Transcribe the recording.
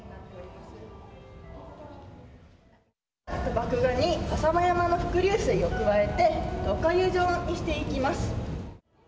麦芽に浅間山の伏流水を加えておかゆ状にしていきます。